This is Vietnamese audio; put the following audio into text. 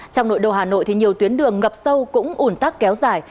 trong nội đô hà nội thì nhiều tuyến đường ngập sâu cũng ủn tắc kéo dài